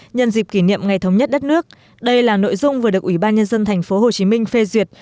nhân dịp kỷ niệm ngày thống nhất đất nước đây là nội dung vừa được ubnd tp hcm phê duyệt